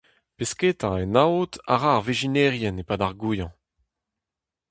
Pesketa en aod a ra ar vezhinerien e-pad ar goañv.